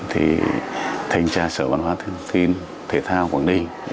thì thanh tra sở văn hóa thể thao quảng đinh